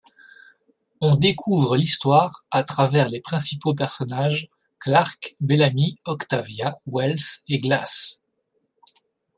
On découvre l'histoire à travers les principaux personnages, Clarke, Bellamy, Octavia, Wells et Glass.